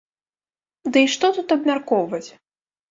Ды і што тут абмяркоўваць?